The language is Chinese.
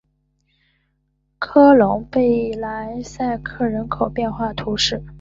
科隆贝莱塞克人口变化图示